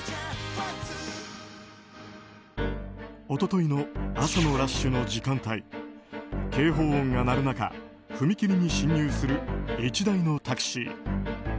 一昨日の朝のラッシュの時間帯警報音が鳴る中踏切に進入する１台のタクシー。